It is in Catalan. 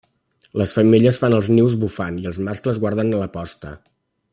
Les femelles fan els nius bufant i els mascles guarden la posta.